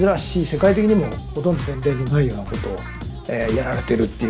世界的にもほとんど前例のないようなことをやられてるっていう。